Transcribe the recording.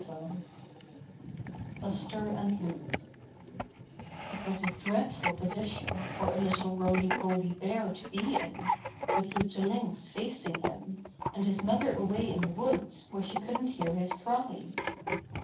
STORY II Buster and Loup It was a dreadful position for a little roily polly bear to be in, with Loup the Lynx facing him, and his mother away in the woods where she couldn't hear his cries.